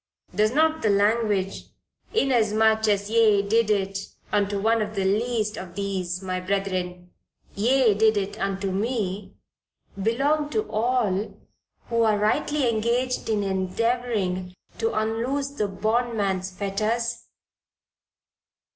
Does not the language "Inasmuch as ye did it unto one of the least of these my brethren, ye did it unto me," belong to all who are rightly engaged in endeavoring to unloose the bondman's fetters?